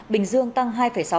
bình dương tăng hai sáu